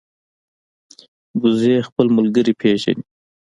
وزې خپل ملګري پېژني